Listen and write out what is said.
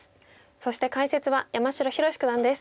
そして解説は山城宏九段です。